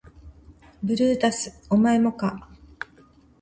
ブルータスお前もか